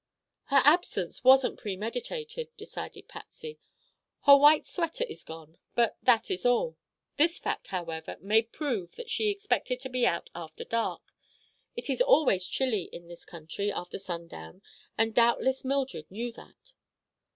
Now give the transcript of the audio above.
"Her absence wasn't premeditated," decided Patsy. "Her white sweater is gone, but that is all. This fact, however, may prove that she expected to be out after dark. It is always chilly in this country after sundown and doubtless Mildred knew that."